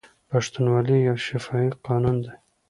پښتونولي یو شفاهي قانون دی.